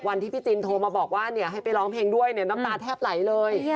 พี่จินโทรมาบอกว่าให้ไปร้องเพลงด้วยเนี่ยน้ำตาแทบไหลเลย